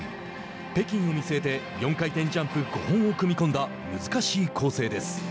北京を見据えて４回転ジャンプ５本を組み込んだ難しい構成です。